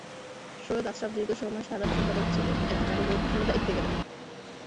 সৈয়দ আশরাফ দীর্ঘ সময় সাধারণ সম্পাদক ছিলেন, এখন আরও গুরুত্বপূর্ণ দায়িত্বে গেলেন।